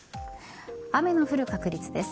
雨の降る確率です。